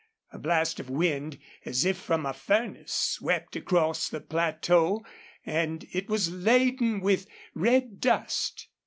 A blast of wind, as if from a furnace, swept across the plateau, and it was laden with red dust.